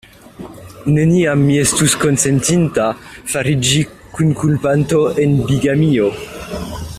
Neniam mi estus konsentinta fariĝi kunkulpanto en bigamio.